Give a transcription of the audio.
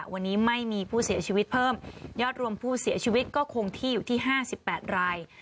วันนี้ไม่มีผู้เสียชีวิตเพิ่มยอดรวมผู้เสียชีวิตก็คงที่อยู่ที่๕๘ราย